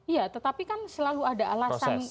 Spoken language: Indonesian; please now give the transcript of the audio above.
ya tetapi kan selalu ada alasan